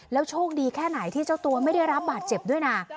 โชคดีแค่ไหนที่เจ้าตัวไม่ได้รับบาดเจ็บด้วยนะ